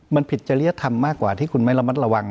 มันผิดจริยธรรมมากกว่าที่คุณไม่ระมัดระวัง